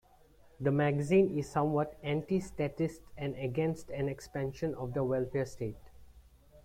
The magazine is somewhat anti-statist and against an expanison of the welfare state.